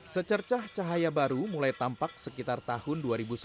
secercah cahaya baru mulai tampak sekitar tahun dua ribu sebelas